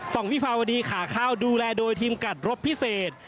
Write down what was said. วิภาวดีขาข้าวดูแลโดยทีมกัดรบพิเศษ